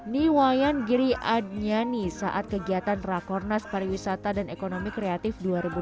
niwayan giri adnyani saat kegiatan rakornas pariwisata dan ekonomi kreatif